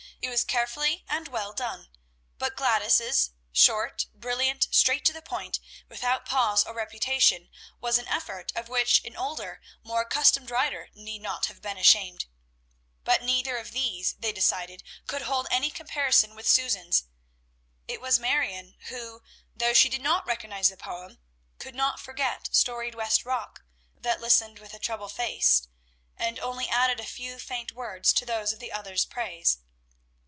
It was carefully and well done; but Gladys's, short, brilliant, straight to the point, without pause or repetition, was an effort of which an older, more accustomed writer need not have been ashamed. But neither of these, they decided, could hold any comparison with Susan's. It was Marion who, though she did not recognize the poem, could not forget "Storied West Rock," that listened with a troubled face, and only added a few faint words to those of the others' praise.